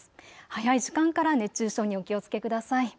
早い時間から熱中症にお気をつけください。